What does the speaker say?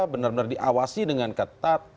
benar benar diawasi dengan ketat